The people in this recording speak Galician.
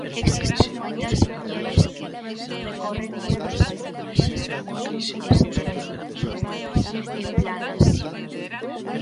Existen moitas mulleres que recorren a personaxes moi estereotipadas e planas.